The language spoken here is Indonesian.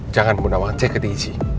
jangan bu nawang cek ke dg